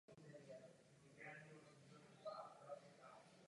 Chystají se zničit náš vzdělávací systém.